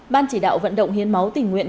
ban chỉ đạo vận động hiến máu tỉnh nguyện